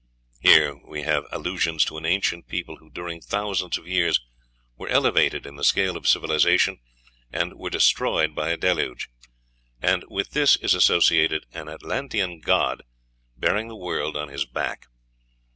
Here we have allusions to an ancient people who, during thousands of years, were elevated in the scale of civilization, and were destroyed by a deluge; and with this is associated an Atlantean god bearing the world on his back.